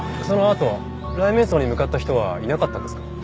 そのあと雷冥荘に向かった人はいなかったんですか？